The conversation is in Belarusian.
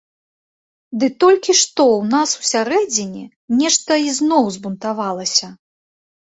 Ды толькі што ў нас усярэдзіне нешта ізноў збунтавалася.